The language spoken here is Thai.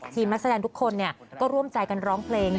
นักแสดงทุกคนก็ร่วมใจกันร้องเพลง